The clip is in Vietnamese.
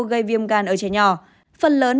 gây viêm gan ở trẻ nhỏ phần lớn